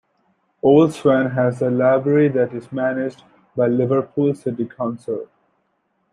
Old Swan has a library that is managed by Liverpool City Council.